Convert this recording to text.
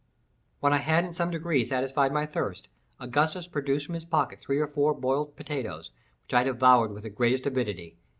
When I had in some degree satisfied my thirst, Augustus produced from his pocket three or four boiled potatoes, which I devoured with the greatest avidity.